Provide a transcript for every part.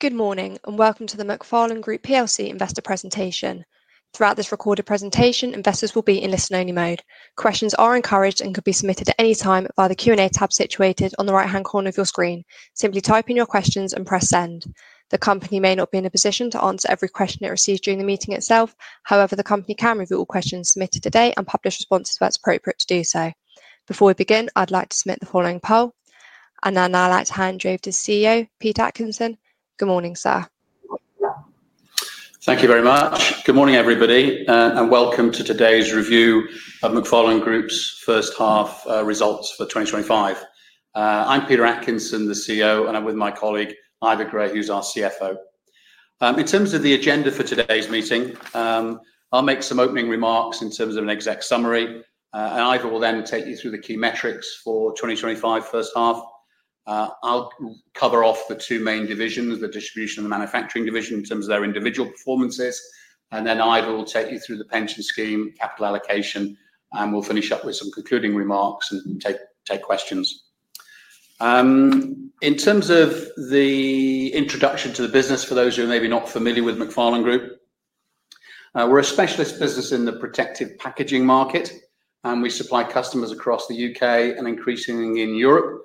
Good morning and welcome to the Macfarlane Group PLC investor presentation. Throughout this recorded presentation, investors will be in listen-only mode. Questions are encouraged and could be submitted at any time via the Q&A tab situated on the right-hand corner of your screen. Simply type in your questions and press send. The company may not be in a position to answer every question it receives during the meeting itself. However, the company can review all questions submitted today and publish responses where it's appropriate to do so. Before we begin, I'd like to submit the following poll. Now I'd like to hand you over to the CEO, Peter Atkinson. Good morning, sir. Thank you very much. Good morning, everybody, and welcome to today's review of Macfarlane Group's first half results for 2025. I'm Peter Atkinson, the CEO, and I'm with my colleague, Ivor Gray, who's our CFO. In terms of the agenda for today's meeting, I'll make some opening remarks in terms of an exec summary, and Ivor will then take you through the key metrics for 2025 first half. I'll cover off the two main divisions, the distribution and the manufacturing division, in terms of their individual performances. Ivor will take you through the pension scheme, capital allocation, and we'll finish up with some concluding remarks and take questions. In terms of the introduction to the business, for those who are maybe not familiar with Macfarlane Group, we're a specialist business in the protective packaging market, and we supply customers across the UK and increasingly in Europe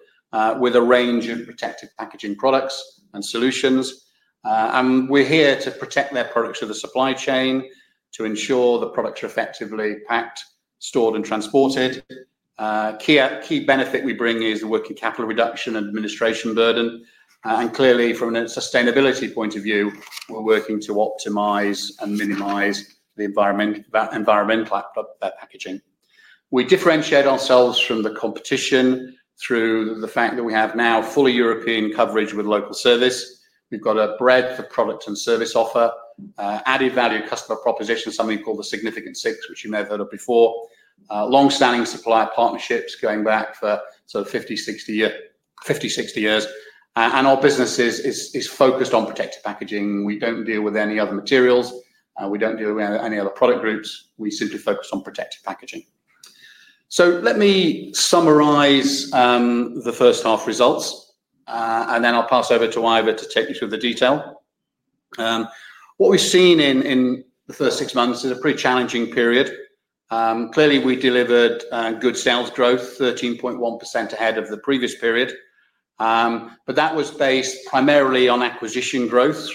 with a range of protective packaging products and solutions. We're here to protect their products through the supply chain to ensure the products are effectively packed, stored, and transported. A key benefit we bring is the working capital reduction and administration burden. Clearly, from a sustainability point of view, we're working to optimize and minimize the environmental impact of that packaging. We differentiate ourselves from the competition through the fact that we have now fully European coverage with local service. We've got a breadth of product and service offer, added value customer proposition, something called the Significant Six, which you may have heard of before. Longstanding supply partnerships going back for 50-60 years. Our business is focused on protective packaging. We don't deal with any other materials. We don't deal with any other product groups. We simply focus on protective packaging. Let me summarize the first half results, and then I'll pass over to Ivor to take you through the detail. What we've seen in the first six months is a pretty challenging period. Clearly, we delivered good sales growth, 13.1% ahead of the previous period. That was based primarily on acquisition growth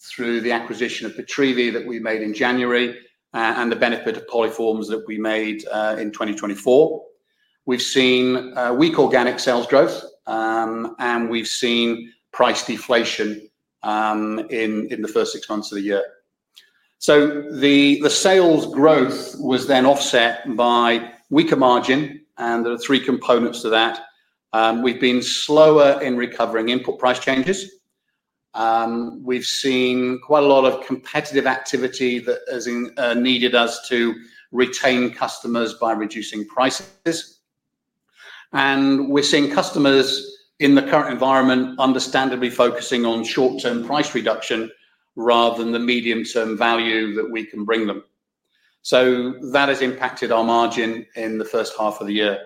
through the acquisition of Pitreavie that we made in January and the benefit of Polyformes that we made in 2024. We've seen weak organic sales growth, and we've seen price deflation in the first six months of the year. The sales growth was then offset by weaker margin, and there are three components to that. We've been slower in recovering input price changes. We've seen quite a lot of competitive activity that has needed us to retain customers by reducing prices. We're seeing customers in the current environment understandably focusing on short-term price reduction rather than the medium-term value that we can bring them. That has impacted our margin in the first half of the year.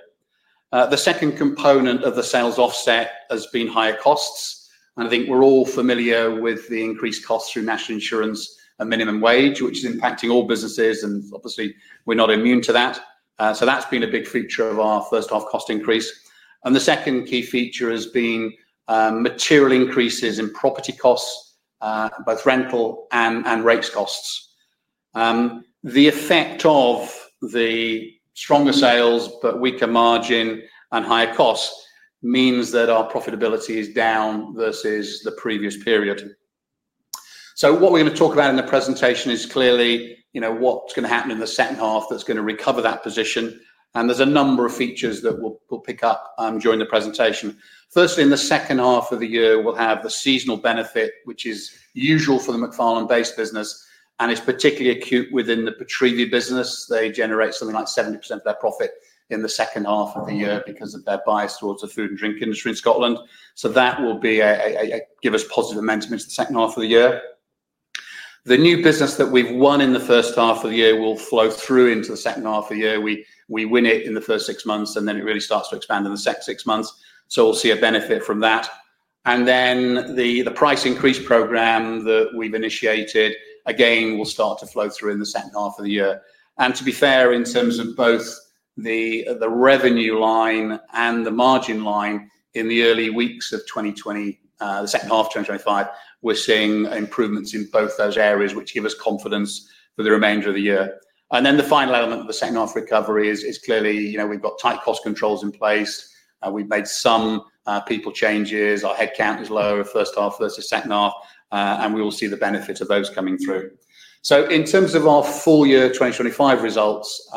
The second component of the sales offset has been higher costs. I think we're all familiar with the increased costs through national insurance and minimum wage, which is impacting all businesses, and obviously, we're not immune to that. That's been a big feature of our first half cost increase. The second key feature has been material increases in property costs, both rental and rates costs. The effect of the stronger sales but weaker margin and higher costs means that our profitability is down versus the previous period. What we're going to talk about in the presentation is clearly what's going to happen in the second half that's going to recover that position. There are a number of features that we'll pick up during the presentation. Firstly, in the second half of the year, we'll have the seasonal benefit, which is usual for the Macfarlane Group-based business, and it's particularly acute within the Pitreavie business. They generate something like 70% of their profit in the second half of the year because of their bias towards the food and drink industry in Scotland. That will give us positive momentum into the second half of the year. The new business that we've won in the first half of the year will flow through into the second half of the year. We win it in the first six months, and then it really starts to expand in the second six months. We'll see a benefit from that. The price increase program that we've initiated, again, will start to flow through in the second half of the year. To be fair, in terms of both the revenue line and the margin line in the early weeks of 2025, the second half of 2025, we're seeing improvements in both those areas, which give us confidence for the remainder of the year. The final element of the second half recovery is clearly, you know, we've got tight cost controls in place. We've made some people changes. Our headcount is lower in the first half versus the second half, and we will see the benefits of those coming through. In terms of our full-year 2025 results,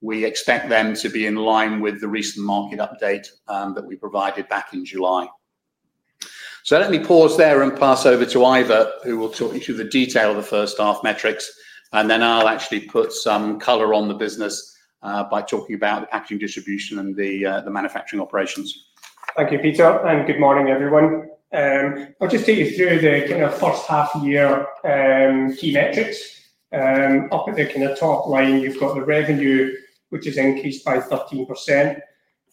we expect them to be in line with the recent market update that we provided back in July. Let me pause there and pass over to Ivor, who will talk you through the detail of the first half metrics. I'll actually put some color on the business by talking about the packaging distribution and the manufacturing operations. Thank you, Peter, and good morning, everyone. I'll just take you through the kind of first half year key metrics. Up at the kind of top line, you've got the revenue, which has increased by 13%.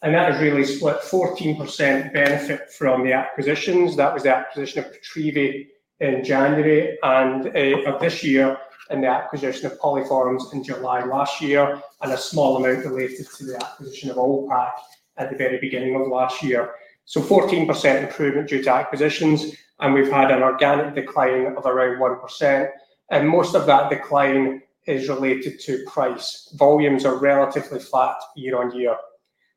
That has really split 14% benefit from the acquisitions. That was the acquisition of The Pitreavie Group Limited in January of this year and the acquisition of Polyformes Limited in July last year, and a small amount related to the acquisition of Allpack Direct at the very beginning of last year. 14% improvement due to acquisitions, and we've had an organic decline of around 1%. Most of that decline is related to price. Volumes are relatively flat year on year.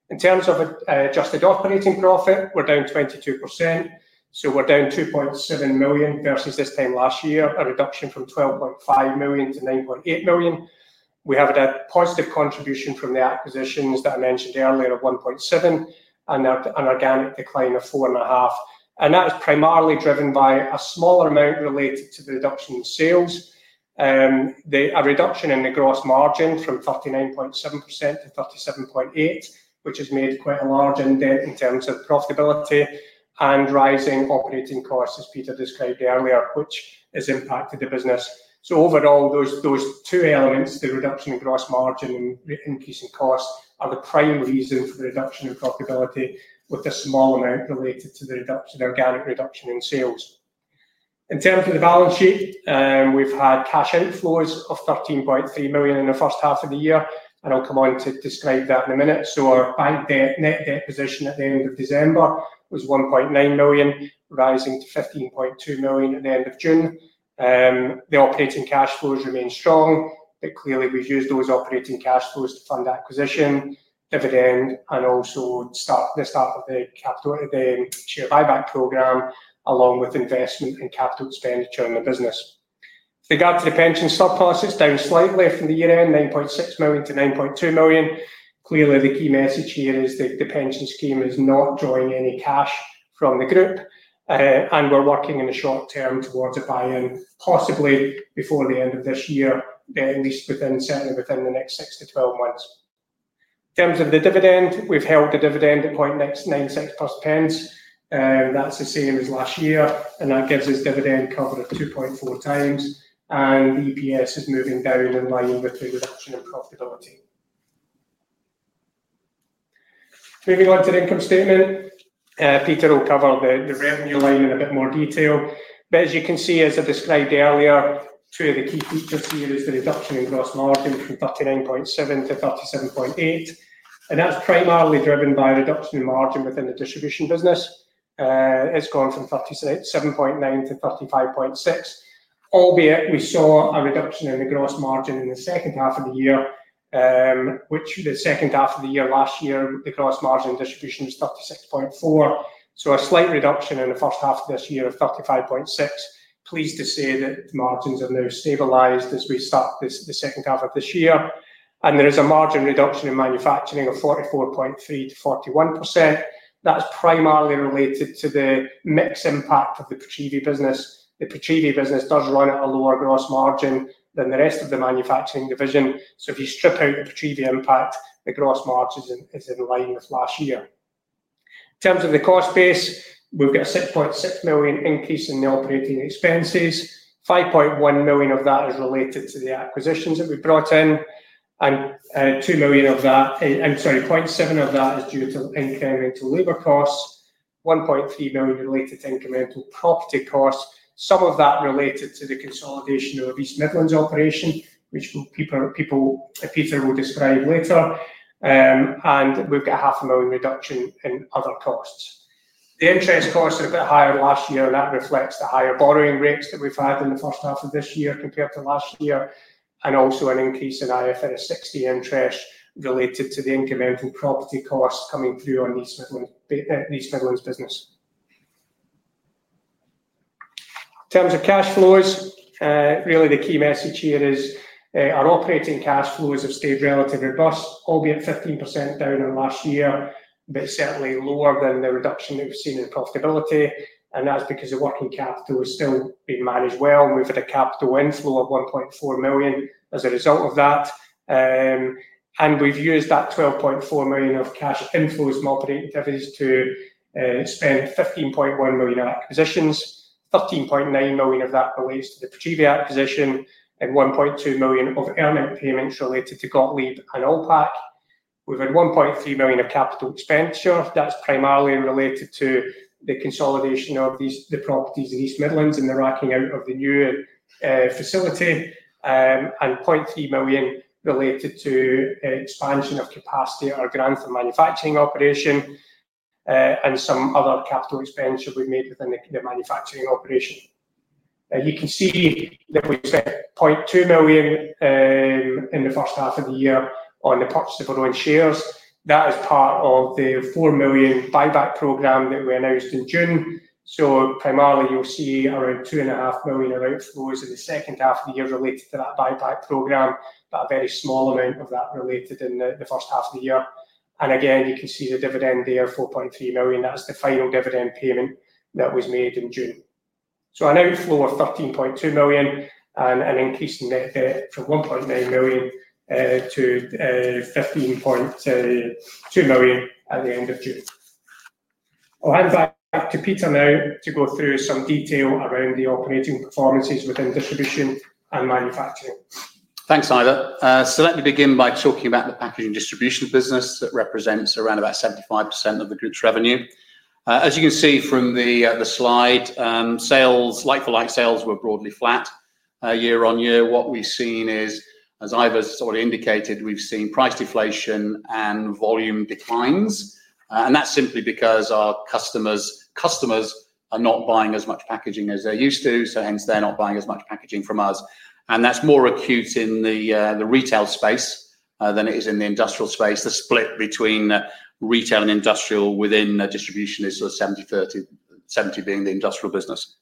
In terms of adjusted operating profit, we're down 22%. We're down £2.7 million versus this time last year, a reduction from £12.5 million to £9.8 million. We have a positive contribution from the acquisitions that I mentioned earlier of £1.7 million and an organic decline of £4.5 million. That is primarily driven by a smaller amount related to the reduction in sales, a reduction in the gross margin from 39.7% to 37.8%, which has made quite a large impact indeed in terms of profitability, and rising operating costs, as Peter described earlier, which has impacted the business. Overall, those two elements, the reduction in gross margin and the increase in cost, are the prime reasons for the reduction in profitability with the small amount related to the organic reduction in sales. In terms of the balance sheet, we've had cash outflows of £13.3 million in the first half of the year, and I'll come on to describe that in a minute. Our bank debt, net debt position at the end of December was £1.9 million, rising to £15.2 million at the end of June. The operating cash flows remain strong. Clearly, we've used those operating cash flows to fund acquisition at the end and also the start of the capital share buyback program, along with investment in capital expenditure in the business. The gap to the pension stock price is down slightly from the year end, £9.6 million to £9.2 million. Clearly, the key message here is that the pension scheme is not drawing any cash from the group, and we're working in the short term towards a buy-in, possibly before the end of this year, at least certainly within the next 6 to 12 months. In terms of the dividend, we've held the dividend at £0.96 pence. That's the same as last year, and that gives us dividend cover at 2.4 times, and the EPS is moving down in line with the reduction in profitability. Moving on to the income statement, Peter will cover the revenue line in a bit more detail. As you can see, as I described earlier, two of the key features here is the reduction in gross margin from 39.7% to 37.8%. That's primarily driven by a reduction in margin within the distribution business. It's gone from 37.9% to 35.6%. Albeit, we saw a reduction in the gross margin in the second half of the year, which the second half of the year last year, the gross margin distribution was 36.4%. A slight reduction in the first half of this year of 35.6%. Pleased to say that the margins have now stabilized as we start the second half of this year. There is a margin reduction in manufacturing of 44.3% to 41%. That is primarily related to the mixed impact of the Pitreavie business. The Pitreavie business does run at a lower gross margin than the rest of the manufacturing division. If you strip out the Pitreavie impact, the gross margin is in line with last year. In terms of the cost base, we've got a £6.6 million increase in the operating expenses. £5.1 million of that is related to the acquisitions that we've brought in. £0.7 million of that is due to incremental labor costs. £1.3 million related to incremental property costs. Some of that related to the consolidation of the East Midlands operation, which Peter will describe later. We've got a £0.5 million reduction in other costs. The interest costs are a bit higher last year, and that reflects the higher borrowing rates that we've had in the first half of this year compared to last year. There is also an increase in IFRS 16 interest related to the incremental property costs coming through on East Midlands business. In terms of cash flows, really the key message here is our operating cash flows have stayed relatively robust, albeit 15% down in the last year, but certainly lower than the reduction that we've seen in profitability. That's because the working capital is still being managed well. We've got a capital inflow of £1.4 million as a result of that. We've used that £12.4 million of cash inflows from operating dividends to spend £15.1 million on acquisitions. £13.9 million of that are weighted at the Pitreavie acquisition and £1.2 million of earnout payments related to Gottlieb and Allpack Direct. We've had £1.3 million of capital expenditure. That's primarily related to the consolidation of the properties of East Midlands and the racking out of the new facility. £0.3 million related to expansion of capacity or grants and manufacturing operation, and some other capital expenditure we've made within the manufacturing operation. You can see the £0.2 million in the first half of the year on the purchase of borrowing shares. That is part of the £4 million buyback program that we announced in June. Primarily, you'll see around £2.5 million in outflows in the second half of the year related to that buyback program, with a very small amount of that related in the first half of the year. You can see the dividend there, £4.3 million. That's the final dividend payment that was made in June. An outflow of £13.2 million and an increase in net debt of £1.9 million to £15.2 million at the end of June. I'll hand back to Peter now to go through some detail around the operating performances within distribution and manufacturing. Thanks, Ivor. Let me begin by talking about the packaging distribution business that represents around about 75% of the group's revenue. As you can see from the slide, like-for-like sales were broadly flat year on year. What we've seen is, as Ivor's already indicated, we've seen price deflation and volume declines. That's simply because our customers are not buying as much packaging as they're used to, so they're not buying as much packaging from us. That's more acute in the retail space than it is in the industrial space. The split between retail and industrial within distribution is sort of 70-30, 70% being the industrial business.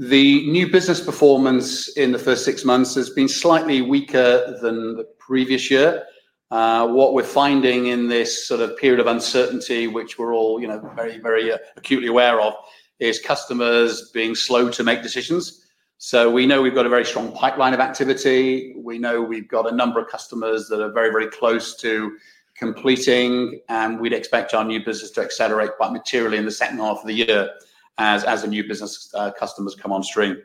The new business performance in the first six months has been slightly weaker than the previous year. What we're finding in this period of uncertainty, which we're all very, very acutely aware of, is customers being slow to make decisions. We know we've got a very strong pipeline of activity. We know we've got a number of customers that are very, very close to completing, and we'd expect our new business to accelerate quite materially in the second half of the year as new business customers come on stream.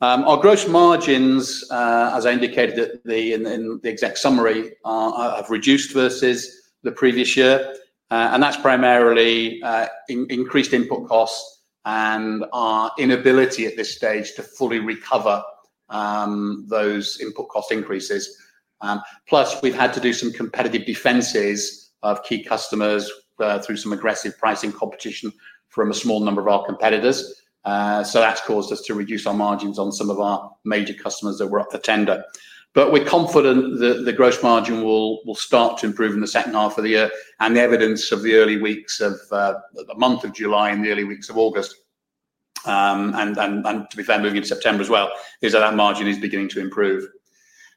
Our gross margins, as I indicated in the exec summary, have reduced versus the previous year. That's primarily increased input costs and our inability at this stage to fully recover those input cost increases. Plus, we've had to do some competitive defenses of key customers through some aggressive pricing competition from a small number of our competitors. That's caused us to reduce our margins on some of our major customers that were up for tender. We're confident that the gross margin will start to improve in the second half of the year. The evidence of the early weeks of the month of July and the early weeks of August, and to be fair, moving into September as well, is that our margin is beginning to improve.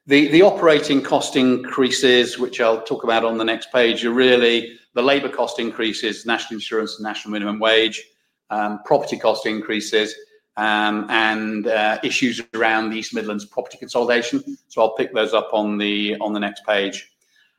The operating cost increases, which I'll talk about on the next page, are really the labor cost increases, national insurance and national minimum wage, property cost increases, and issues around the East Midlands property consolidation. I'll pick those up on the next page.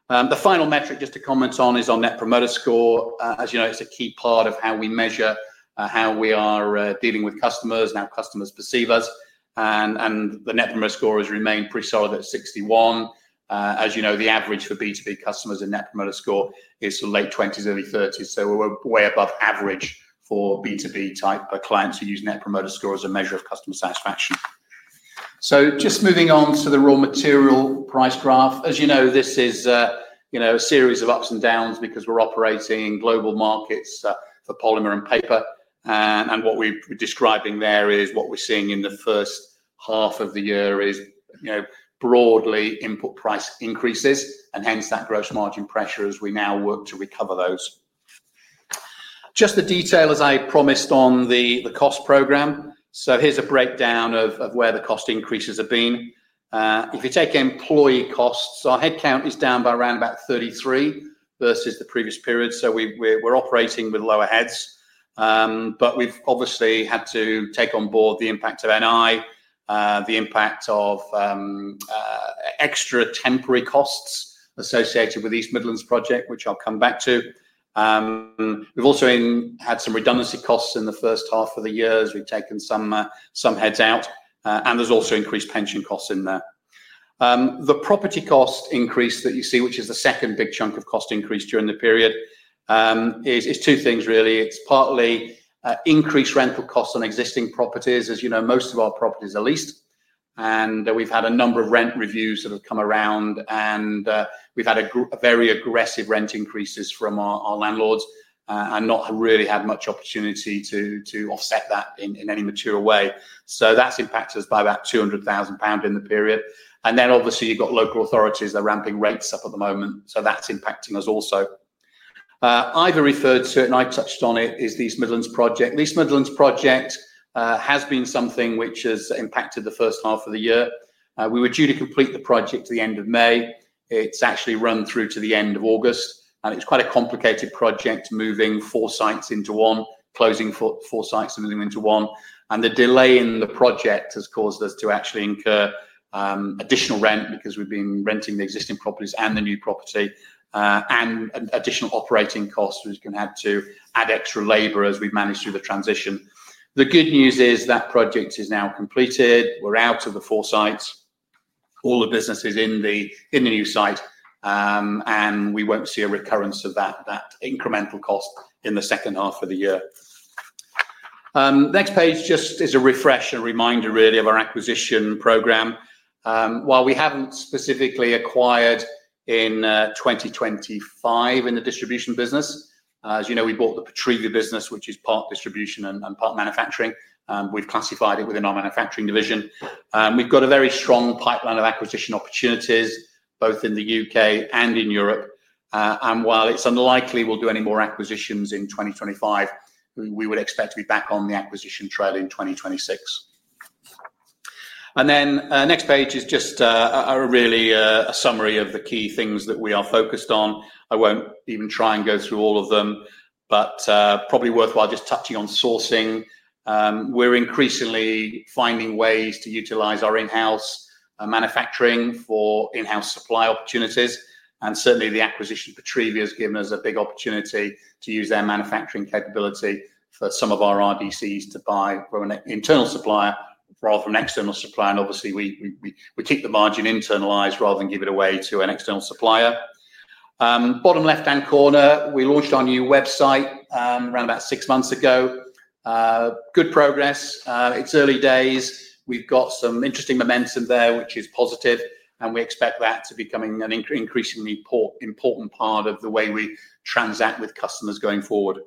The final metric just to comment on is our Net Promoter Score. As you know, it's a key part of how we measure how we are dealing with customers and how customers perceive us. The Net Promoter Score has remained pretty solid at 61. As you know, the average for B2B customers in Net Promoter Score is sort of late 20s, early 30s. We're way above average for B2B type clients who use Net Promoter Score as a measure of customer satisfaction. Just moving on to the raw material price graph, as you know, this is a series of ups and downs because we're operating in global markets for polymer and paper. What we're describing there is what we're seeing in the first half of the year is broadly input price increases, hence that gross margin pressure as we now work to recover those. Just the detail as I promised on the cost program. Here's a breakdown of where the cost increases have been. If you take employee costs, our headcount is down by around about 33% versus the previous period, so we're operating with lower heads. We've obviously had to take on board the impact of NI, the impact of extra temporary costs associated with the East Midlands project, which I'll come back to. We've also had some redundancy costs in the first half of the year as we've taken some heads out, and there's also increased pension costs in there. The property cost increase that you see, which is the second big chunk of cost increase during the period, is two things really. It's partly increased rental costs on existing properties. As you know, most of our properties are leased and we've had a number of rent reviews that have come around and we've had very aggressive rent increases from our landlords and not really had much opportunity to offset that in any material way. That's impacted us by about £200,000 in the period. Obviously, you've got local authorities that are ramping rates up at the moment, so that's impacting us also. Ivor referred to it and I touched on it, the East Midlands project has been something which has impacted the first half of the year. We were due to complete the project at the end of May. It's actually run through to the end of August, and it's quite a complicated project moving four sites into one, closing four sites and moving into one. The delay in the project has caused us to actually incur additional rent because we've been renting the existing properties and the new property, and additional operating costs. We've had to add extra labor as we've managed through the transition. The good news is that project is now completed. We're out of the four sites. All the business is in the new site. We won't see a recurrence of that incremental cost in the second half of the year. The next page is just a refresh and reminder of our acquisition program. While we haven't specifically acquired in 2025 in the distribution business, as you know, we bought the Pitreavie business, which is part distribution and part manufacturing. We've classified it within our manufacturing division. We've got a very strong pipeline of acquisition opportunities both in the UK and in Europe. While it's unlikely we'll do any more acquisitions in 2025, we would expect to be back on the acquisition trail in 2026. The next page is just a summary of the key things that we are focused on. I won't even try and go through all of them, but probably worthwhile just touching on sourcing. We're increasingly finding ways to utilize our in-house manufacturing for in-house supply opportunities. Certainly, the acquisition of Pitreavie has given us a big opportunity to use their manufacturing capability for some of our RDCs to buy from an internal supplier rather than an external supplier. Obviously, we keep the margin internalized rather than give it away to an external supplier. In the bottom left-hand corner, we launched our new website around about six months ago. Good progress. It's early days. We've got some interesting momentum there, which is positive. We expect that to become an increasingly important part of the way we transact with customers going forward.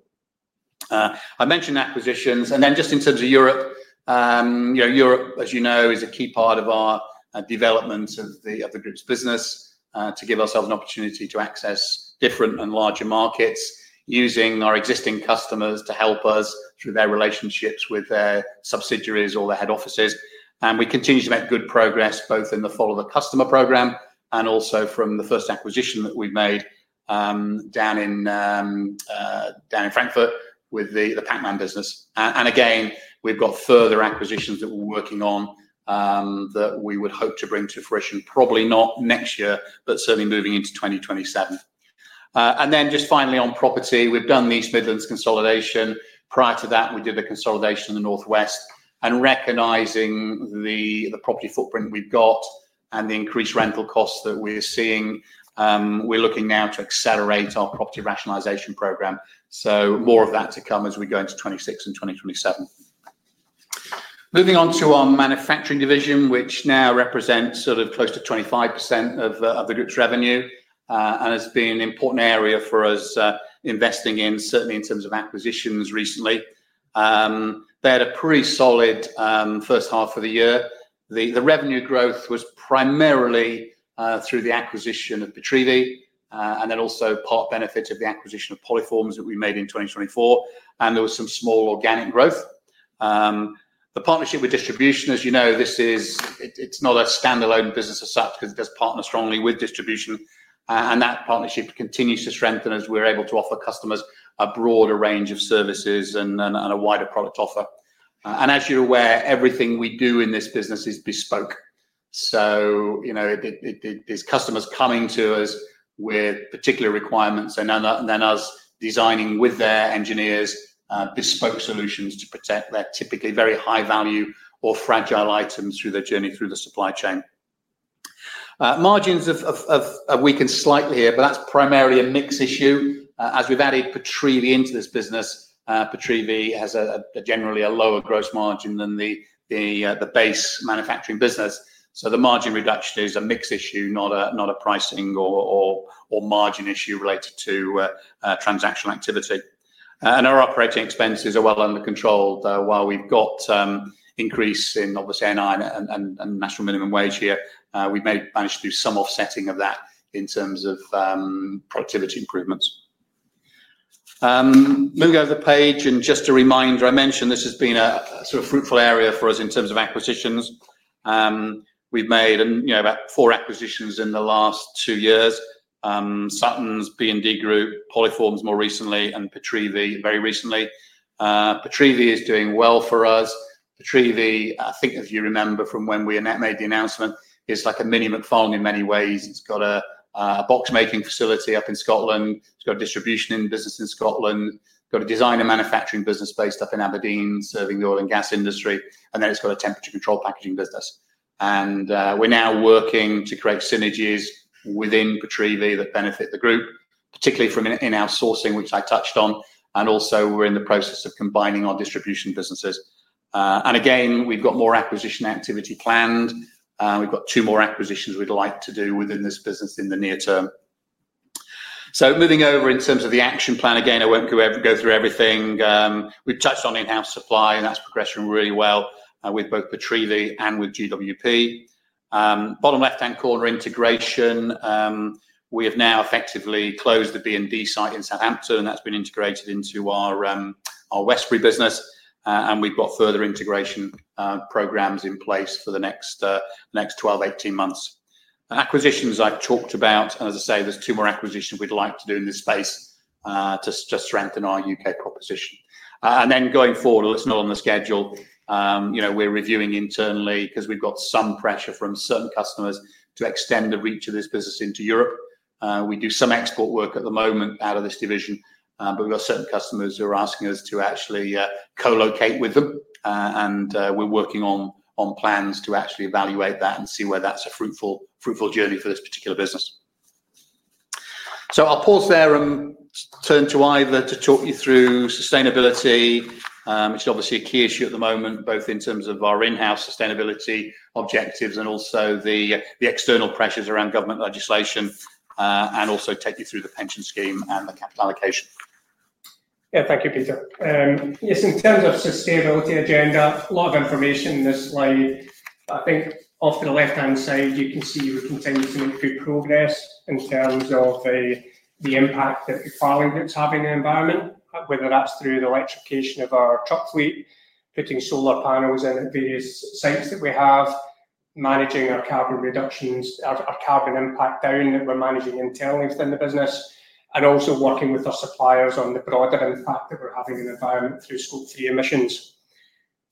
I mentioned acquisitions. In terms of Europe, Europe, as you know, is a key part of our development of the group's business to give ourselves an opportunity to access different and larger markets using our existing customers to help us through their relationships with their subsidiaries or their head offices. We continue to make good progress both in the follow-up customer program and also from the first acquisition that we've made down in Frankfurt with the Pacman business. We've got further acquisitions that we're working on that we would hope to bring to fruition, probably not next year, but certainly moving into 2027. Finally, on property, we've done the East Midlands consolidation. Prior to that, we did the consolidation in the northwest. Recognizing the property footprint we've got and the increased rental costs that we're seeing, we're looking now to accelerate our property rationalization program. More of that to come as we go into 2026 and 2027. Moving on to our manufacturing division, which now represents close to 25% of the group's revenue and has been an important area for us investing in, certainly in terms of acquisitions recently. They had a pretty solid first half of the year. The revenue growth was primarily through the acquisition of Pitreavie and then also part benefit of the acquisition of Polyformes that we made in 2024. There was some small organic growth. The partnership with distribution, as you know, it's not a standalone business as such because it does partner strongly with distribution. That partnership continues to strengthen as we're able to offer customers a broader range of services and a wider product offer. As you're aware, everything we do in this business is bespoke. There's customers coming to us with particular requirements and then us designing with their engineers bespoke solutions to protect their typically very high value or fragile items through their journey through the supply chain. Margins have weakened slightly here, but that's primarily a mix issue. As we've added Pitreavie into this business, Pitreavie has generally a lower gross margin than the base manufacturing business. The margin reduction is a mix issue, not a pricing or margin issue related to transactional activity. Our operating expenses are well under control. While we've got an increase in obviously NI and national minimum wage here, we've managed to do some offsetting of that in terms of productivity improvements. Moving over the page and just a reminder, I mentioned this has been a fruitful area for us in terms of acquisitions. We've made about four acquisitions in the last two years: Suttons, B&D Group, Polyformes more recently, and Pitreavie very recently. Pitreavie is doing well for us. Pitreavie, I think if you remember from when we made the announcement, is like a mini-Macfarlane in many ways. It's got a box making facility up in Scotland. It's got a distribution business in Scotland. It's got a design and manufacturing business based up in Aberdeen serving the oil and gas industry. It's got a temperature control packaging business. We're now working to create synergies within Pitreavie that benefit the group, particularly from in-house sourcing, which I touched on. We're in the process of combining our distribution businesses. We've got more acquisition activity planned. We've got two more acquisitions we'd like to do within this business in the near term. Moving over in terms of the action plan, I won't go through everything. We've touched on in-house sourcing and that's progressing really well with both Pitreavie and with GWP. Bottom left-hand corner integration, we have now effectively closed the B&D Group site in Southampton. That's been integrated into our Westbury business, and we've got further integration programs in place for the next 12-18 months. Acquisitions I've talked about, and as I say, there's two more acquisitions we'd like to do in this space to strengthen our UK proposition. Going forward, a little on the schedule, we're reviewing internally because we've got some pressure from certain customers to extend the reach of this business into Europe. We do some export work at the moment out of this division, but we've got certain customers who are asking us to actually co-locate with them. We're working on plans to actually evaluate that and see whether that's a fruitful journey for this particular business. I'll pause there and turn to Ivor to talk you through sustainability, which is obviously a key issue at the moment, both in terms of our in-house sustainability objectives and also the external pressures around government legislation, and also take you through the pension scheme and the capital allocation. Yeah, thank you, Peter. In terms of the sustainability agenda, a lot of information is in this slide. I think off to the left-hand side, you can see we've been continuously making progress in terms of the impact that Macfarlane Group's having on the environment, whether that's through the electrification of our truck fleet, putting solar panels in at various sites that we have, managing our carbon reductions, our carbon impact down that we're managing internally within the business, and also working with our suppliers on the broader impact that we're having on the environment through Scope 3 emissions.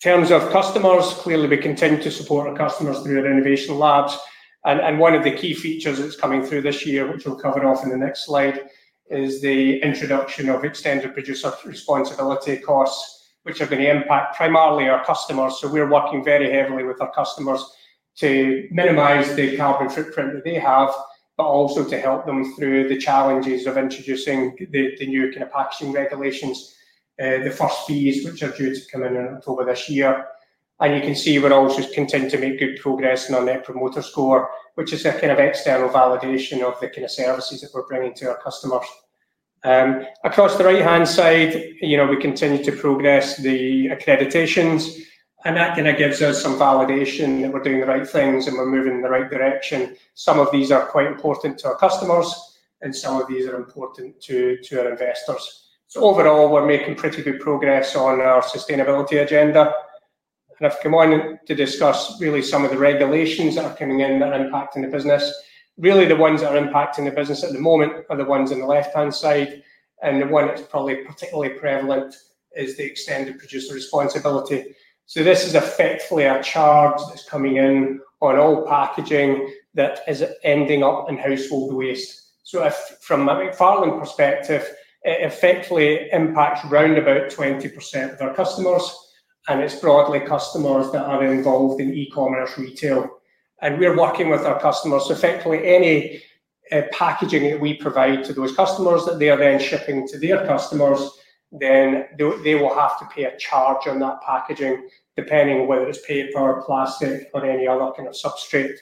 In terms of customers, clearly we continue to support our customers through their innovation labs. One of the key features that's coming through this year, which we'll cover off in the next slide, is the introduction of extended producer responsibility (EPR) costs, which are going to impact primarily our customers. We are working very heavily with our customers to minimize the carbon footprint that they have, but also to help them through the challenges of introducing the new kind of packaging regulations, the first fees, which are due to come in in October this year. You can see we're also continuing to make good progress on our Net Promoter Score, which is a kind of external validation of the kind of services that we're bringing to our customers. Across the right-hand side, we continue to progress the accreditations. That kind of gives us some validation that we're doing the right things and we're moving in the right direction. Some of these are quite important to our customers, and some of these are important to our investors. Overall, we're making pretty good progress on our sustainability agenda. I've come on to discuss really some of the regulations that are coming in that are impacting the business. The ones that are impacting the business at the moment are the ones on the left-hand side. The one that's probably particularly prevalent is the extended producer responsibility. This is effectively a charge that's coming in on all packaging that is ending up in household waste. From a Macfarlane perspective, it effectively impacts around about 20% of our customers. It's broadly customers that are involved in e-commerce retail. We're working with our customers. Effectively, any packaging that we provide to those customers that they are then shipping to their customers, they will have to pay a charge on that packaging, depending on whether it's paper, plastic, or any other kind of substrate.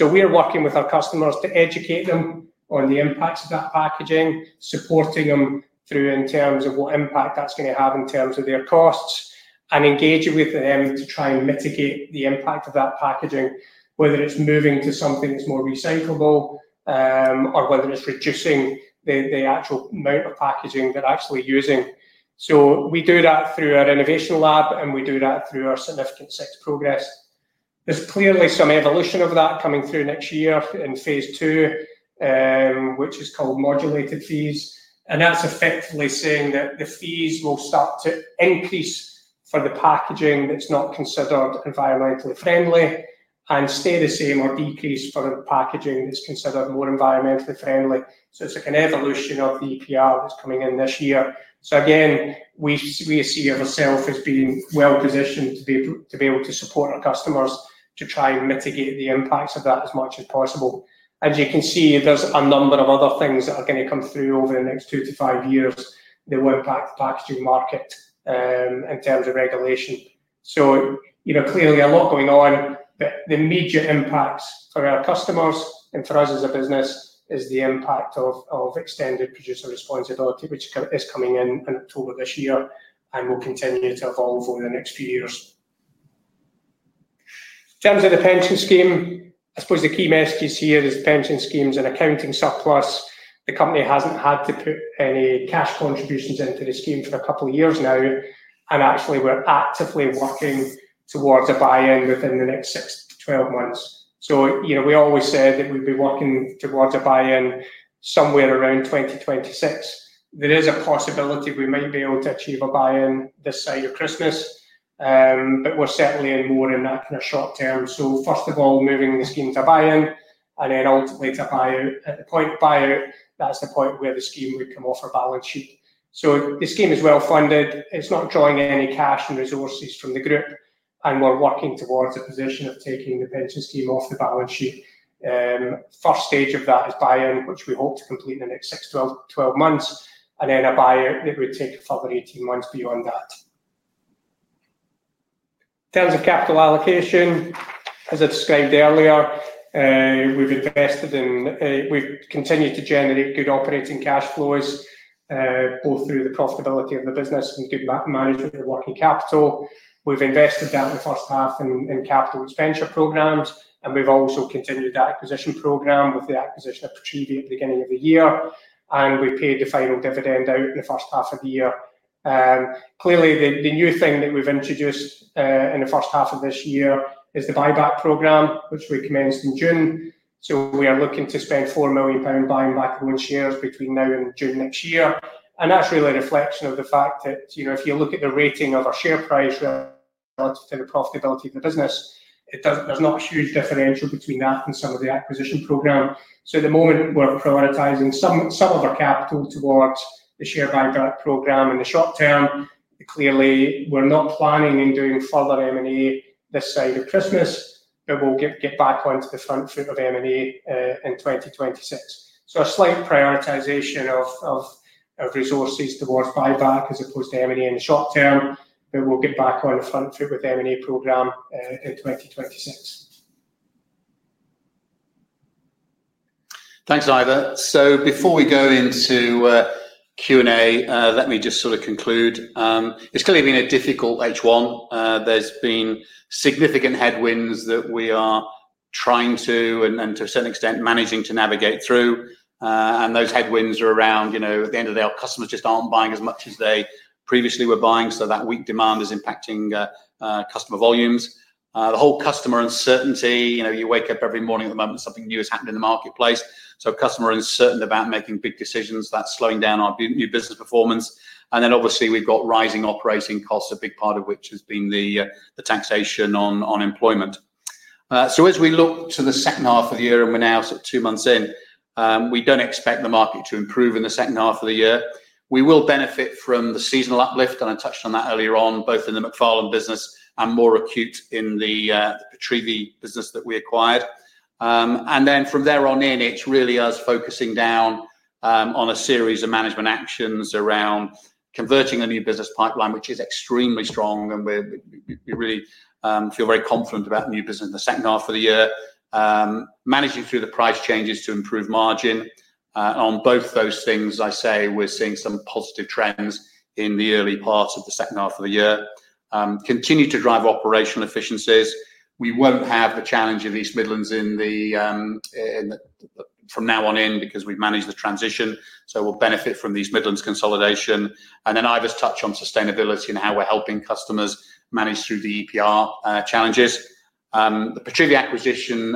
We are working with our customers to educate them on the impacts of that packaging, supporting them in terms of what impact that's going to have in terms of their costs, and engaging with them to try and mitigate the impact of that packaging, whether it's moving to something that's more recyclable or whether it's reducing the actual amount of packaging they're actually using. We do that through our innovation lab, and we do that through our Significant Six progress. There is clearly some evolution of that coming through next year in phase two, which is called modulated fees. That's effectively saying that the fees will start to increase for the packaging that's not considered environmentally friendly and stay the same or decrease for the packaging that's considered more environmentally friendly. It's like an evolution of the EPR that's coming in this year. We see ourselves as being well positioned to be able to support our customers to try and mitigate the impacts of that as much as possible. As you can see, there are a number of other things that are going to come through over the next two to five years that will impact the packaging market in terms of regulation. Clearly, a lot is going on, but the major impacts for our customers and for us as a business is the impact of extended producer responsibility, which is coming in in October this year and will continue to evolve over the next few years. In terms of the pension scheme, the key message here is pension schemes and accounting surplus. The company hasn't had to put any cash contributions into the scheme for a couple of years now. We are actively working towards a buy-in within the next 6 to 12 months. We always said that we'd be working towards a buy-in somewhere around 2026. There is a possibility we might be able to achieve a buy-in this side of Christmas, but we are certainly more in that kind of short term. First of all, moving the scheme to buy-in and then ultimately to buy-out. At the point of buy-out, that's the point where the scheme would come off our balance sheet. The scheme is well funded. It's not drawing in any cash and resources from the group. We are working towards a position of taking the pension scheme off the balance sheet. The first stage of that is buy-in, which we hope to complete in the next 6 to 12 months. Then a buy-out would take a couple of 18 months beyond that. In terms of capital allocation, as I described earlier, we've invested in, we've continued to generate good operating cash flows, both through the profitability of the business and good management of working capital. We've invested that in the first half in capital expenditure programs. We've also continued that acquisition program with the acquisition of Pitreavie at the beginning of the year. We paid the final dividend out in the first half of the year. Clearly, the new thing that we've introduced in the first half of this year is the share buyback program, which we commenced in June. We are looking to spend £4 million buying back all those shares between now and June next year. That's really a reflection of the fact that, you know, if you look at the rating of our share price relative to the profitability of the business, there's not a huge differential between that and some of the acquisition program. At the moment, we're prioritizing some of our capital towards the share buyback program in the short term. Clearly, we're not planning on doing further M&A this side of Christmas. We'll get back onto the front foot of M&A in 2026. A slight prioritization of resources towards buyback as opposed to M&A in the short term, but we'll get back on the front foot with the M&A program in 2026. Thanks, Ivor. Before we go into Q&A, let me just sort of conclude. It's clearly been a difficult H1. There's been significant headwinds that we are trying to, and to a certain extent, managing to navigate through. Those headwinds are around, you know, at the end of the day, our customers just aren't buying as much as they previously were buying. That weak demand is impacting customer volumes. The whole customer uncertainty, you know, you wake up every morning at the moment something new has happened in the marketplace. Customers are uncertain about making big decisions. That's slowing down our new business performance. Obviously, we've got rising operating costs, a big part of which has been the taxation on unemployment. As we look to the second half of the year, and we're now sort of two months in, we don't expect the market to improve in the second half of the year. We will benefit from the seasonal uplift, and I touched on that earlier on, both in the Macfarlane business and more acute in the Pitreavie business that we acquired. From there on in, it's really us focusing down on a series of management actions around converting a new business pipeline, which is extremely strong. We really feel very confident about the new business in the second half of the year, managing through the price changes to improve margin. On both those things, as I say, we're seeing some positive trends in the early parts of the second half of the year. Continue to drive operational efficiencies. We won't have the challenge of East Midlands from now on in because we've managed the transition. We'll benefit from East Midlands consolidation. Ivor's touched on sustainability and how we're helping customers manage through the EPR challenges. The Pitreavie acquisition,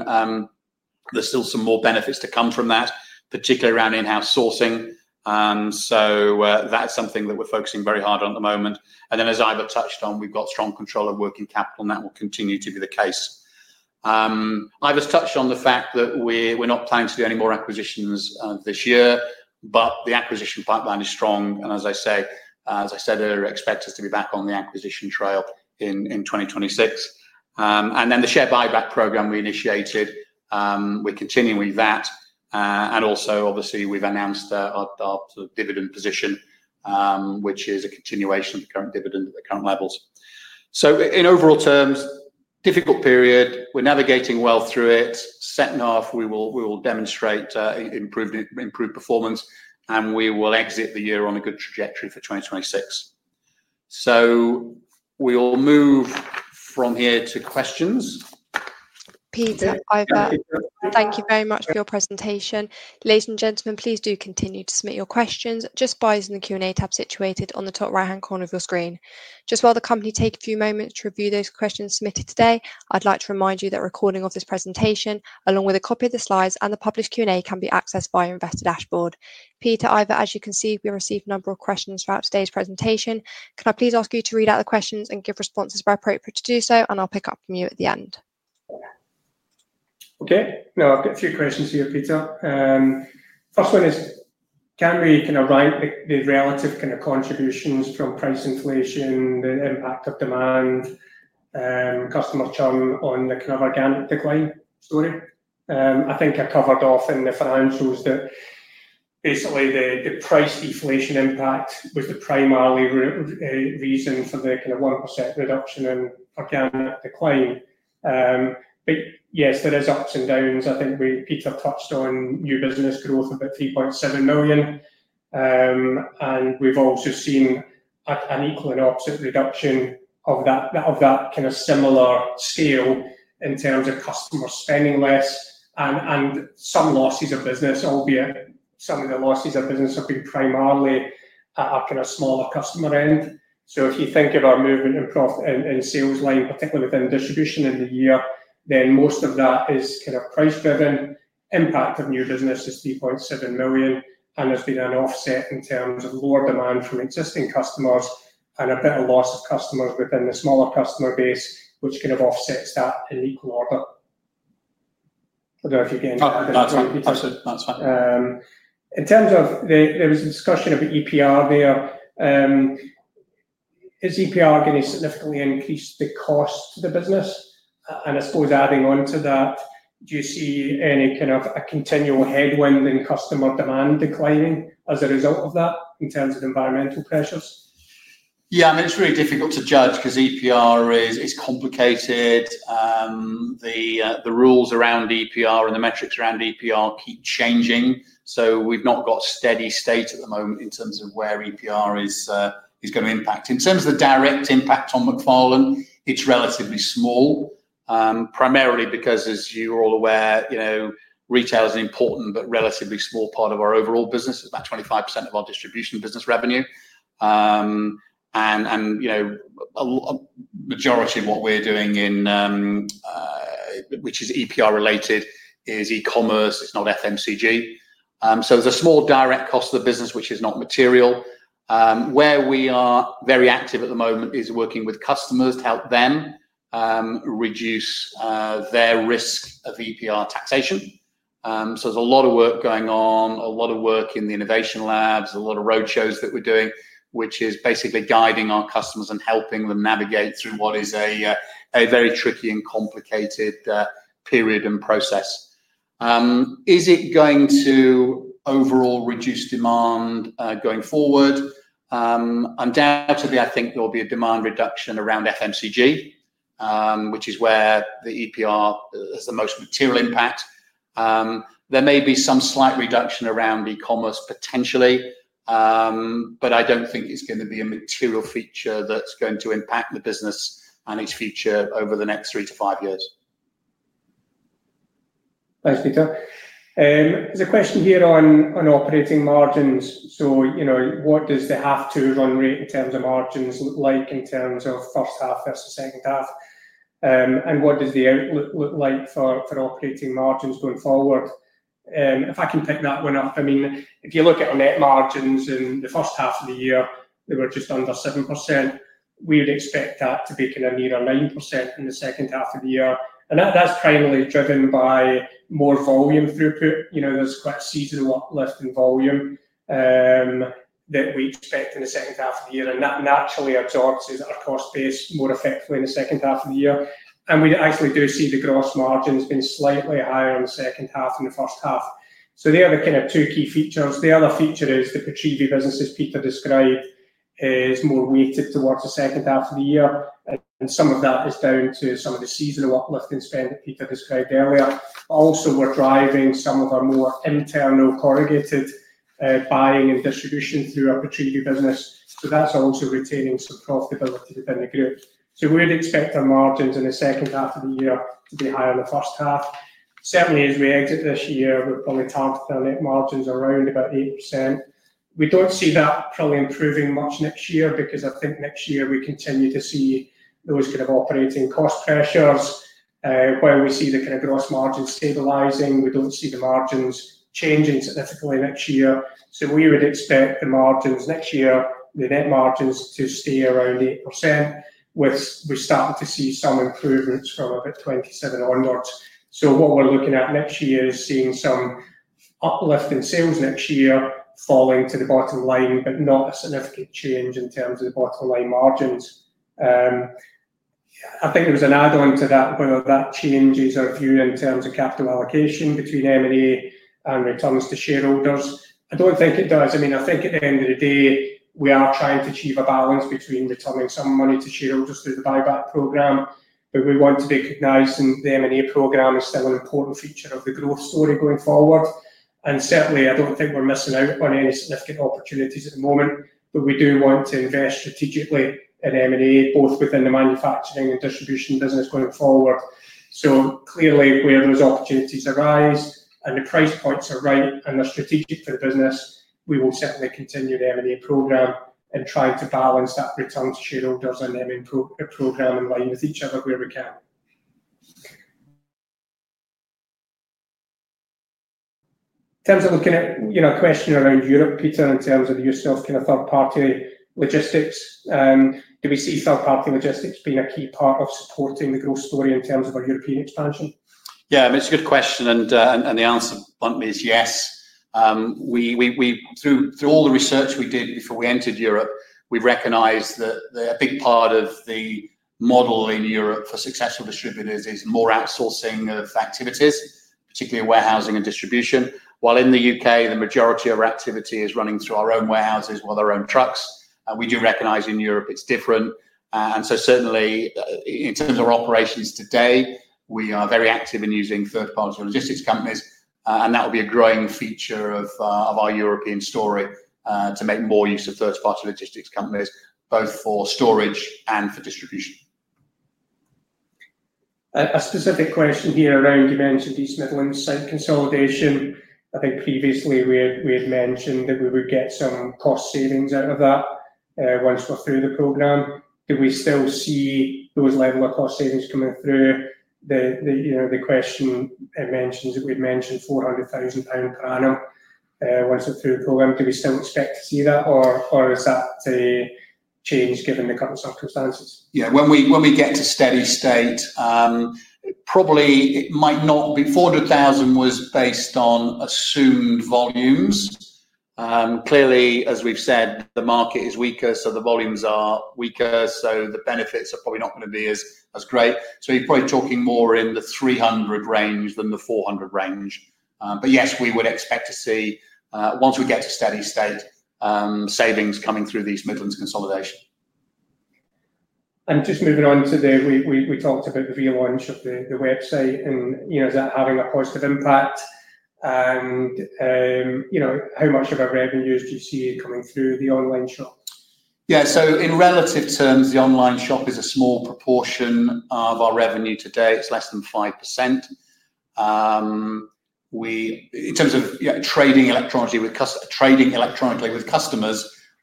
there's still some more benefits to come from that, particularly around in-house sourcing. That's something that we're focusing very hard on at the moment. As Ivor touched on, we've got strong control of working capital, and that will continue to be the case. Ivor's touched on the fact that we're not planning to do any more acquisitions this year, but the acquisition pipeline is strong. As I said earlier, expect us to be back on the acquisition trail in 2026. The share buyback program we initiated, we're continuing that. Also, obviously, we've announced our dividend position, which is a continuation of the current dividend at the current levels. In overall terms, difficult period. We're navigating well through it. Second half, we will demonstrate improved performance, and we will exit the year on a good trajectory for 2026. We will move from here to questions. Peter, Ivor, thank you very much for your presentation. Ladies and gentlemen, please do continue to submit your questions just by using the Q&A tab situated on the top right-hand corner of your screen. While the company takes a few moments to review those questions submitted today, I'd like to remind you that recording of this presentation, along with a copy of the slides and the published Q&A, can be accessed via Investor Dashboard. Peter, Ivor, as you can see, we received a number of questions throughout today's presentation. Can I please ask you to read out the questions and give responses where appropriate to do so? I'll pick up from you at the end. Okay. No, I've got two questions for you, Peter. First one is, can we kind of rank the relative kind of contributions from price inflation, the impact of demand, and customer churn on the kind of organic decline story? I think I covered off in the financials that basically the price deflation impact was the primary reason for the kind of worker set reduction and organic decline. Yes, there are ups and downs. I think Peter touched on new business growth of about £3.7 million. We've also seen an equal and ups reduction of that kind of similar scale in terms of customers spending less and some losses of business, albeit some of the losses of business have been primarily at a smaller customer end. If you think of our movement across in sales line, particularly within distribution in the year, most of that is kind of price-driven. Impact of new business is £3.7 million. As we then offset in terms of lower demand from existing customers and a bit of loss of customers within the smaller customer base, which kind of offsets that in equal order. I don't know if you're getting that right. That's fine. That's fine. In terms of there was a discussion of the EPR there. Is EPR going to significantly increase the cost to the business? I suppose adding on to that, do you see any kind of a continual headwind in customer demand declining as a result of that in terms of environmental pressures? Yeah, I mean, it's very difficult to judge because EPR is complicated. The rules around EPR and the metrics around EPR keep changing. We've not got a steady state at the moment in terms of where EPR is going to impact. In terms of the direct impact on Macfarlane Group PLC, it's relatively small, primarily because, as you're all aware, retail is an important but relatively small part of our overall business. It's about 25% of our distribution business revenue. A majority of what we're doing in, which is EPR related, is e-commerce. It's not FMCG. There's a small direct cost to the business, which is not material. Where we are very active at the moment is working with customers to help them reduce their risk of EPR taxation. There's a lot of work going on, a lot of work in the innovation labs, a lot of roadshows that we're doing, which is basically guiding our customers and helping them navigate through what is a very tricky and complicated period and process. Is it going to overall reduce demand going forward? Undoubtedly, I think there will be a demand reduction around FMCG, which is where the EPR has the most material impact. There may be some slight reduction around e-commerce potentially, but I don't think it's going to be a material feature that's going to impact the business and its future over the next three to five years. Thanks, Peter. There's a question here on operating margins. What does the half-to-run rate in terms of margins look like in terms of first half versus second half? What does the outlook look like for operating margins going forward? If I can pick that one up, if you look at our net margins in the first half of the year, we were just under 7%. We would expect that to be kind of near 9% in the second half of the year. That's primarily driven by more volume throughput. There's quite a seasonal uplift in volume that we expect in the second half of the year. That naturally absorbs our cost base more effectively in the second half of the year. We actually do see the gross margins being slightly higher in the second half than the first half. They are the kind of two key features. The other feature is the Pitreavie business, as Peter described, is more weighted towards the second half of the year. Some of that is down to some of the seasonal uplifting spend that Peter described earlier. We're driving some of our more internal corrugated buying and distribution throughout the Pitreavie business. That's also retaining some profitability within the group. We'd expect our margins in the second half of the year to be higher than the first half. Certainly, as we exit this year, we're probably targeting our net margins around about 8%. We don't see that probably improving much next year because I think next year we continue to see those kind of operating cost pressures. While we see the kind of gross margins stabilizing, we don't see the margins changing significantly next year. We would expect the margins next year, the net margins to stay around 8%, with we starting to see some improvements from about 2027 onwards. What we're looking at next year is seeing some uplift in sales next year falling to the bottom line, but not a significant change in terms of the bottom line margins. I think there was an add-on to that where that changes our view in terms of capital allocation between M&A activity and returns to shareholders. I don't think it does. At the end of the day, we are trying to achieve a balance between returning some money to shareholders through the share buyback program. We want to be recognizing the M&A activity program is still an important feature of the growth story going forward. I don't think we're missing out on any significant opportunities at the moment. We do want to invest strategically in M&A, both within the manufacturing and distribution business going forward. Clearly, where those opportunities arise and the price points are right and are strategic for the business, we will certainly continue the M&A program and try to balance that return to shareholders and M&A program in line with each other where we can. In terms of looking at a question around Europe, Peter, in terms of yourself, kind of third-party logistics, do we see third-party logistics being a key part of supporting the growth story in terms of our European expansion? Yeah, I mean, it's a good question. The answer bluntly is yes. Through all the research we did before we entered Europe, we recognized that a big part of the model in Europe for successful distributors is more outsourcing of activities, particularly warehousing and distribution. While in the UK, the majority of our activity is running through our own warehouses with our own trucks, we do recognize in Europe it's different. Certainly, in terms of our operations today, we are very active in using third-party logistics companies. That will be a growing feature of our European story to make more use of third-party logistics companies, both for storage and for distribution. A specific question here around you mentioned East Midlands site consolidation. I think previously we had mentioned that we would get some cost savings out of that once we're through the program. Do we still see those levels of cost savings coming through? The question mentions that we'd mentioned £400,000 per annum once we're through the program. Do we still expect to see that or is that a change given the current circumstances? Yeah, when we get to a steady state, probably it might not be. £400,000 was based on assumed volumes. Clearly, as we've said, the market is weaker, so the volumes are weaker. The benefits are probably not going to be as great. You're probably talking more in the £300,000 range than the £400,000 range. Yes, we would expect to see, once we get to a steady state, savings coming through the East Midlands consolidation. Moving on to there, we talked about the V1 shop, the website, and you know, that adding a positive impact. You know, how much of our revenues do you see coming through the online shop? Yeah, so in relative terms, the online shop is a small proportion of our revenue today. It's less than 5%. In terms of trading electronically with customers,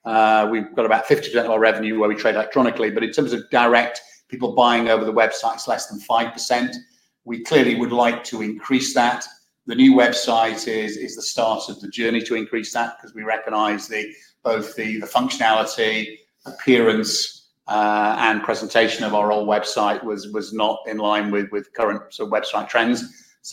we've got about 50% of our revenue where we trade electronically. In terms of direct people buying over the website, it's less than 5%. We clearly would like to increase that. The new website is the start of the journey to increase that because we recognize that both the functionality, appearance, and presentation of our old website was not in line with current website trends.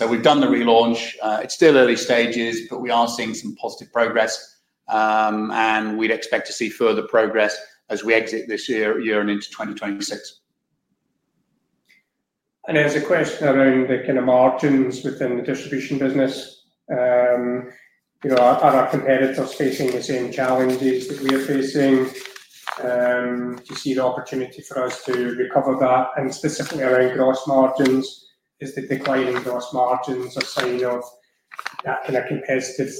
We've done the relaunch. It's still early stages, but we are seeing some positive progress. We'd expect to see further progress as we exit this year and into 2026. There's a question around the kind of margins within the distribution business. You know, our up-and-up competitors are facing the same challenges that we are facing. Do you see the opportunity for us to recover that? Specifically around gross margins, is the declining gross margins a sign of that kind of competitive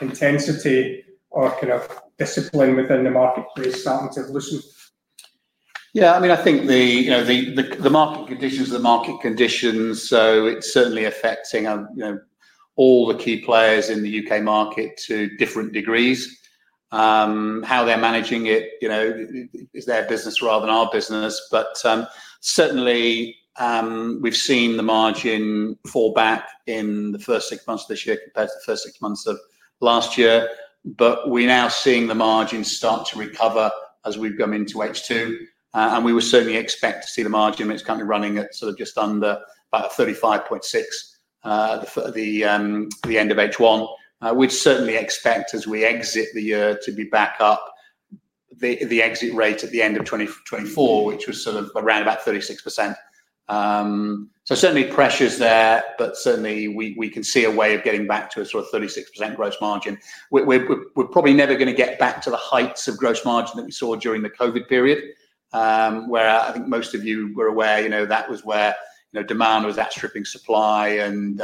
intensity or kind of discipline within the market that is starting to loosen? Yeah, I mean, I think the market conditions, the market conditions, so it's certainly affecting all the key players in the UK market to different degrees. How they're managing it is their business rather than our business. Certainly, we've seen the margin fall back in the first six months of this year compared to the first six months of last year. We're now seeing the margin start to recover as we've gone into H2. We would certainly expect to see the margin that's currently running at just under about 35.6% at the end of H1. We'd certainly expect, as we exit the year, to be back up the exit rate at the end of 2024, which was around about 36%. Certainly pressures there, but certainly we can see a way of getting back to a sort of 36% gross margin. We're probably never going to get back to the heights of gross margin that we saw during the COVID period, where I think most of you were aware, that was where demand was outstripping supply and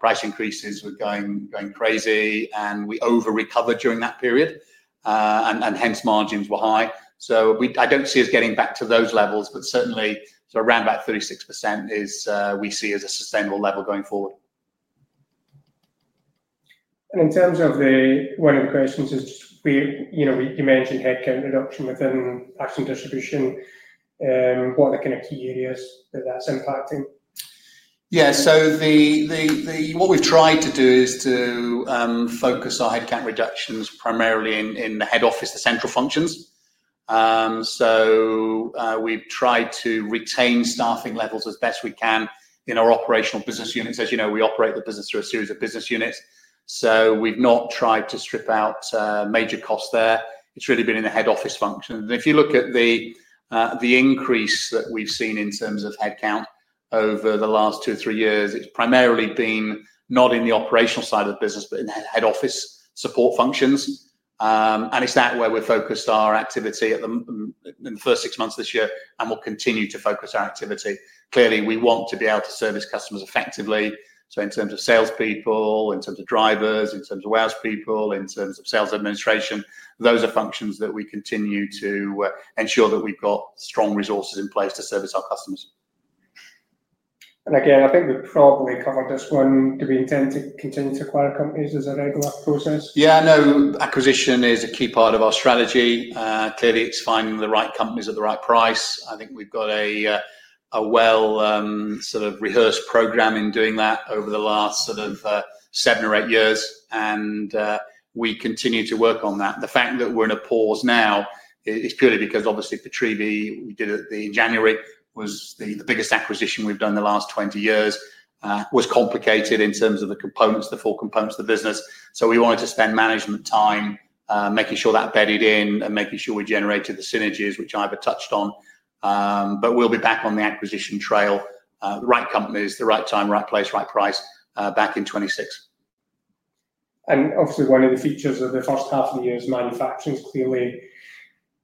price increases were going crazy. We over-recovered during that period, and hence, margins were high. I don't see us getting back to those levels, but certainly, around about 36% is what we see as a sustainable level going forward. In terms of one of the questions, you mentioned headcount reduction within action distribution. What are the kind of key areas that that's impacting? Yeah, what we've tried to do is to focus our headcount reductions primarily in the Head Office, the central functions. We've tried to retain staffing levels as best we can in our operational business units. As you know, we operate the business through a series of business units. We've not tried to strip out major costs there. It's really been in the Head Office functions. If you look at the increase that we've seen in terms of headcount over the last two or three years, it's primarily been not in the operational side of the business, but in the Head Office support functions. It's that where we've focused our activity in the first six months of this year, and we'll continue to focus our activity. Clearly, we want to be able to service customers effectively. In terms of salespeople, in terms of drivers, in terms of warehouse people, in terms of sales administration, those are functions that we continue to ensure that we've got strong resources in place to service our customers. I think we've probably covered this one. Do we intend to continue to acquire companies as a regular process? Yeah, I know acquisition is a key part of our strategy. Clearly, it's finding the right companies at the right price. I think we've got a well sort of rehearsed program in doing that over the last seven or eight years, and we continue to work on that. The fact that we're in a pause now is purely because obviously Pitreavie, we did it in January, was the biggest acquisition we've done in the last 20 years, was complicated in terms of the components, the full components of the business. We wanted to spend management time making sure that bedded in and making sure we generated the synergies, which Ivor touched on. We'll be back on the acquisition trail, the right companies, the right time, right place, right price, back in 2026. One of the features of the first half of the year is manufacturing is clearly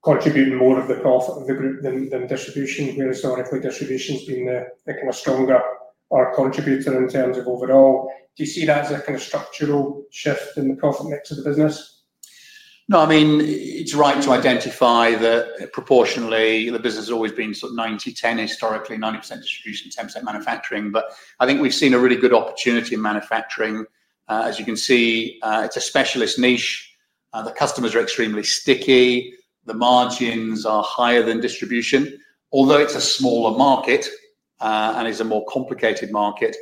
contributing more to the cost of the group than distribution. Historically, distribution's been the kind of stronger contributor in terms of overall. Do you see that as a kind of structural shift in the cost of the business? No, I mean, it's right to identify that proportionally, the business has always been sort of 90-10 historically, 90% distribution, 10% manufacturing. I think we've seen a really good opportunity in manufacturing. As you can see, it's a specialist niche. The customers are extremely sticky. The margins are higher than distribution. Although it's a smaller market and is a more complicated market,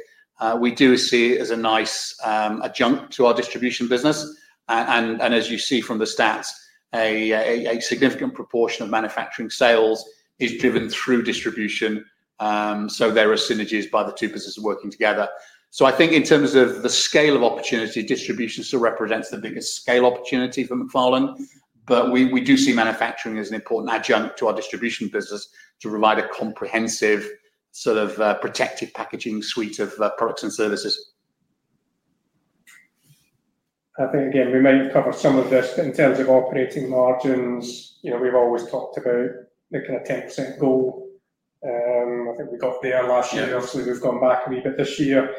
we do see it as a nice adjunct to our distribution business. As you see from the stats, a significant proportion of manufacturing sales is driven through distribution. There are synergies by the two businesses working together. I think in terms of the scale of opportunity, distribution still represents the biggest scale opportunity for Macfarlane Group PLC. We do see manufacturing as an important adjunct to our distribution business to provide a comprehensive sort of protective packaging suite of products and services. I think, again, we may have covered some of this in terms of operating margins. You know, we've always talked about looking at a 10% goal. I think we got there last year. Obviously, we've gone back a wee bit this year.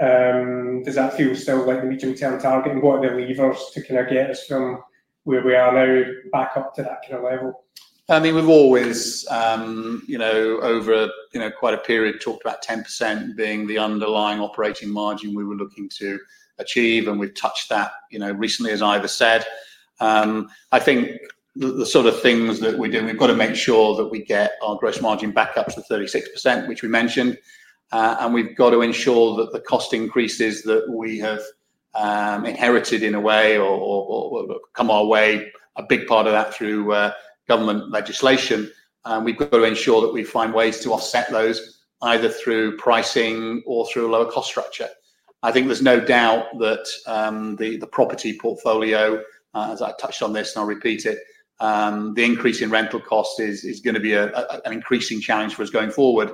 Does that feel still like a medium-term target? What are the levers to kind of get us from where we are now back up to that kind of level? We've always, you know, over quite a period talked about 10% being the underlying operating margin we were looking to achieve. We've touched that, you know, recently, as Ivor said. I think the sort of things that we're doing, we've got to make sure that we get our gross margin back up to 36%, which we mentioned. We've got to ensure that the cost increases that we have inherited in a way or come our way, a big part of that through government legislation. We've got to ensure that we find ways to offset those, either through pricing or through a lower cost structure. I think there's no doubt that the property portfolio, as I touched on this, and I'll repeat it, the increase in rental costs is going to be an increasing challenge for us going forward.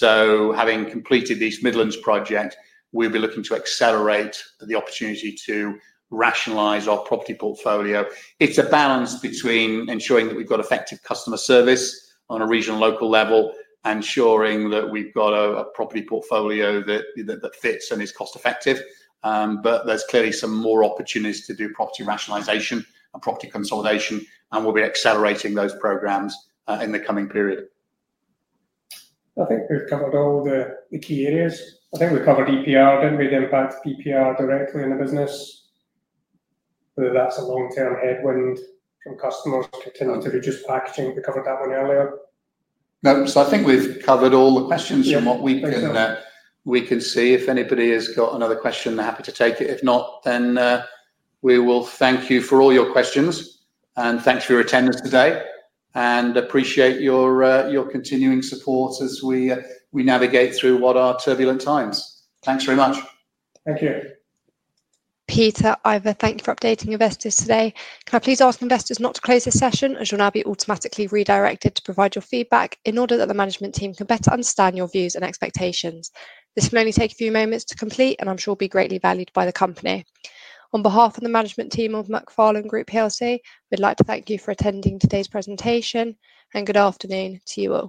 Having completed the East Midlands project, we'll be looking to accelerate the opportunity to rationalize our property portfolio. It's a balance between ensuring that we've got effective customer service on a regional and local level, ensuring that we've got a property portfolio that fits and is cost-effective. There's clearly some more opportunities to do property rationalization and property consolidation. We'll be accelerating those programs in the coming period. Okay, we've covered all the key areas. I think we covered EPR. Didn't really impact EPR directly in the business. Whether that's a long-term headwind from customers picked in on to reduce packaging, we covered that one earlier. I think we've covered all the questions from what we can see. If anybody has got another question, they're happy to take it. If not, we will thank you for all your questions. Thanks for your attendance today. Appreciate your continuing support as we navigate through what are turbulent times. Thanks very much. Thank you. Peter, Ivor, thank you for updating investors today. Can I please ask investors not to close this session as you'll now be automatically redirected to provide your feedback in order that the management team can better understand your views and expectations. This will only take a few moments to complete, and I'm sure will be greatly valued by the company. On behalf of the management team of Macfarlane Group PLC, we'd like to thank you for attending today's presentation and good afternoon to you all.